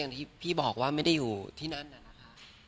ที่พี่บอกว่าไม่ได้อยู่ที่นั่นน่ะนะคะ